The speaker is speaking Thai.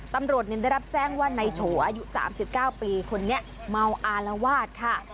ตำรวจได้รับแจ้งว่านายโฉอายุ๓๙ปีคนนี้เมาอารวาสค่ะ